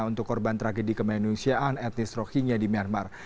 untuk korban tragedi kemanusiaan etnis rohingya di myanmar